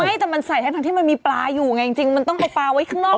ไม่แต่มันใส่ทั้งที่มันมีปลาอยู่ไงจริงมันต้องเอาปลาไว้ข้างนอก